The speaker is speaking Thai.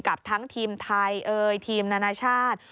กับทั้งทีมไทยเอ่ยทีมนานาชาติ